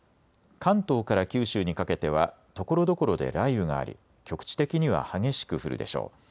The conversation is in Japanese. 関東から九州にかけてはところどころで雷雨があり局地的には激しく降るでしょう。